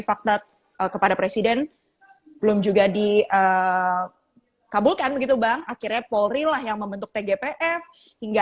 fakta kepada presiden belum juga dikabulkan gitu bang akhirnya polri lah yang membentuk tgpf hingga